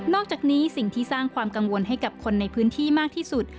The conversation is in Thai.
อกจากนี้สิ่งที่สร้างความกังวลให้กับคนในพื้นที่มากที่สุด